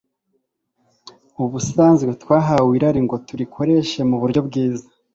Ubusanzwe twahawe irari ngo turikoreshe mu buryo bwiza